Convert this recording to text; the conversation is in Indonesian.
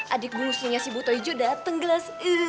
adik bungusnya si buto ijo dateng gles